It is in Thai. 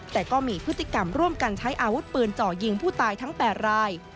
แต่ก็มีพฤติกรรมร่วมกันใช้อาวุธปืนเจาะยิงผู้ตายทั้ง๘ราย